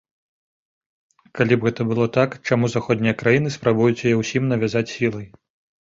Калі б гэта было так, чаму заходнія краіны спрабуюць яе ўсім навязаць сілай?